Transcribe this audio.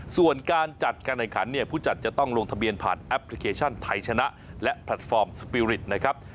ส่วนการจัดการแข่งขันเนี่ยผู้จัดจะต้องลงทะเบียนผ่านแอปพลิเคชันไทยชนะและแพลตฟอร์มสปีริตนะครับ